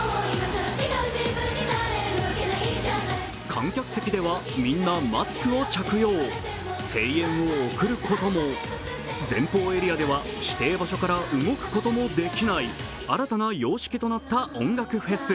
観客席では、みんなマスクを着用声援を送ることも前方エリアでは指定場所から動くこともできない新たな様式となった音楽フェス。